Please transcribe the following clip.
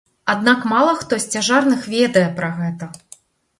Аднак мала хто з цяжарных ведае пра гэта!